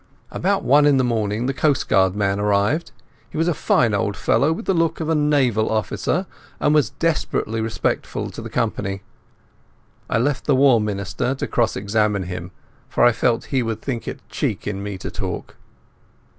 About one in the morning the coastguard man arrived. He was a fine old fellow, with the look of a naval officer, and was desperately respectful to the company. I left the War Minister to cross examine him, for I felt he would think it cheek in me to talk.